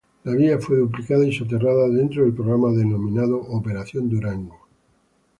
La vía fue duplicada y soterrada dentro del programa denominado "Operación Durango".